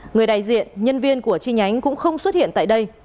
người đại diện nhân viên của chi nhánh cũng không xuất hiện tại đây